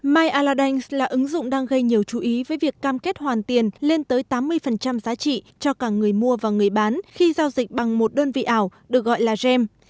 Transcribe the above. my alad danks là ứng dụng đang gây nhiều chú ý với việc cam kết hoàn tiền lên tới tám mươi giá trị cho cả người mua và người bán khi giao dịch bằng một đơn vị ảo được gọi là gem